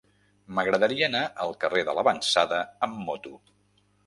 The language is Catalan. M'agradaria anar al carrer de L'Avançada amb moto.